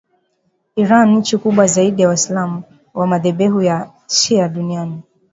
Iran nchi kubwa zaidi ya waislam wa madhehebu ya shia duniani